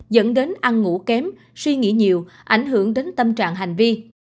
dẫn đến ăn ngủ kém suy nghĩ nhiều ảnh hưởng đến tâm trạng hành vi